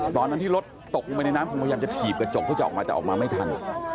ตอนที่รถตกมาคุณพยายามจะขีบกกระจกเพื่อจะออกมาแต่ออกมาไม่ทัน